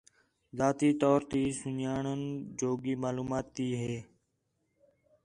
ذاتی طور تی سُن٘ڄاݨن جوڳی معلومات تی ہِے